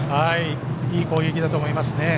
いい攻撃だと思います。